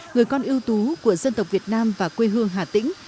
người con ưu tú của dân tộc việt nam và quê hương hà tĩnh